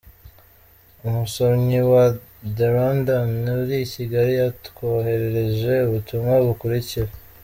Umusomyi wa The Rwandan uri i Kigai yatwoherereje ubutumwa bukurikira: